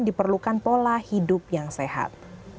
diperlukan pola hidup yang sehat